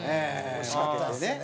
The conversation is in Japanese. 惜しかったですね。